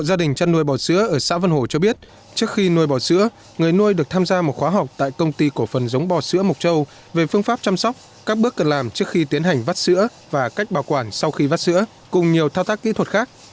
gia đình chăn nuôi bò sữa ở xã vân hồ cho biết trước khi nuôi bò sữa người nuôi được tham gia một khóa học tại công ty cổ phần giống bò sữa mộc châu về phương pháp chăm sóc các bước cần làm trước khi tiến hành vắt sữa và cách bảo quản sau khi vắt sữa cùng nhiều thao tác kỹ thuật khác